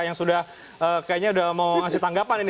yang sudah kayaknya mau ngasih tanggapan